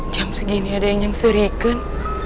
jam segini ada yang suriakan